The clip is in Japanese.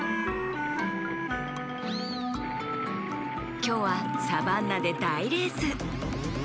きょうはサバンナでだいレース！